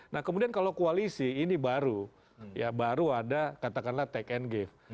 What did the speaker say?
nah kemudian kalau koalisi ini baru ya baru ada katakanlah take and give